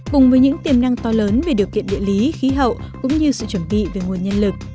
cùng với những tiềm năng to lớn về điều kiện địa lý khí hậu cũng như sự chuẩn bị về nguồn nhân lực